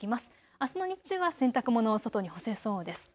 あすの日中は洗濯物を外に干せそうです。